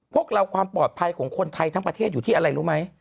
พวกเราความปลอดภัยของคนไทยทั้งประเทศอยู่ที่อะไรรู้ไหม